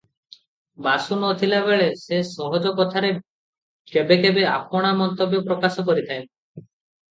ବାସୁ ନ ଥିବାବେଳେ ସେ ସହଜ କଥାରେ କେବେ କେବେ ଆପଣା ମନ୍ତବ୍ୟ ପ୍ରକାଶ କରିଥାଏ ।